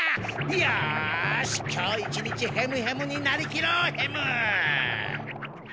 よし今日一日ヘムヘムになりきろうヘムッ！